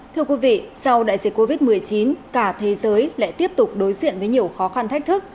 thưa quý vị sau đại dịch covid một mươi chín cả thế giới lại tiếp tục đối diện với nhiều khó khăn thách thức